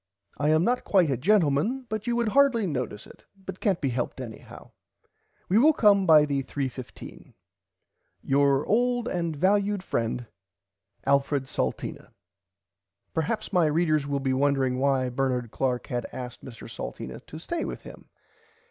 I am not quite a gentleman but you would hardly notice it but cant be helped anyhow. We will come by the 3 15. Your old and valud friend Alfred Salteena. Perhaps my readers will be wondering why Bernard Clark had asked Mr Salteena to stay with him.